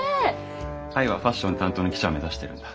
愛はファッション担当の記者を目指してるんだ。